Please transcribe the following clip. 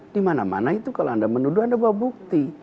di mana mana itu kalau anda menuduh anda bawa bukti